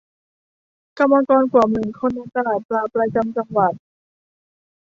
กรรมกรกว่าหมื่นคนในตลาดปลาประจำจังหวัด